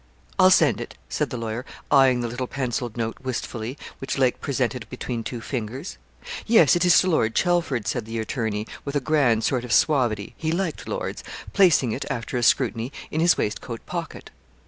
'I'll send it,' said the lawyer, eyeing the little pencilled note wistfully, which Lake presented between two fingers. 'Yes, it is to Lord Chelford,' said the attorney, with a grand sort of suavity he liked lords placing it, after a scrutiny, in his waistcoat pocket.